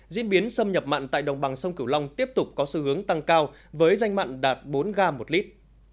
diễn biến xâm nhập mặn tại đồng bằng sông cửu long tiếp tục có sự hướng tăng cao với danh mặn đạt bốn ga một lit